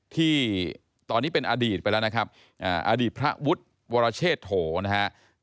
ที่ตอนนี้เป็นอดีตไปแล้วนะครับอดีตพระวุฒิวรเชษโถนะครับ